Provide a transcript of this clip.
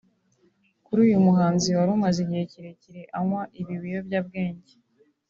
Kuri uyu muhanzi wari umaze igihe kirekire anywa ibi biyobyabwenge